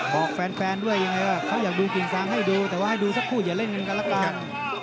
บอกแฟนด้วยยังไงว่าเขาอยากดูกิ่งซางให้ดูแต่ว่าให้ดูสักคู่อย่าเล่นกันแล้วกัน